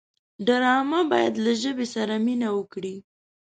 ډرامه باید له ژبې سره مینه وکړي